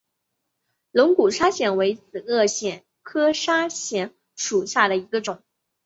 龙骨砂藓为紫萼藓科砂藓属下的一个种。